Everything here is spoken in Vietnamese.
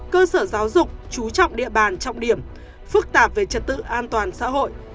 cơ sở giáo dục chú trọng địa bàn trọng điểm phức tạp về trật tự an toàn xã hội